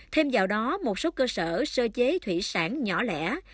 thêm vào đó một số cơ sở sơ chế thủy sản nhỏ lẻ